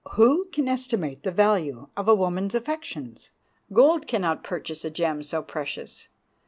Who can estimate the value of a woman's affections? Gold can not purchase a gem so precious.